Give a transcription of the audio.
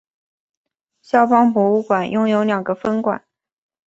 萧邦博物馆拥有两个分馆。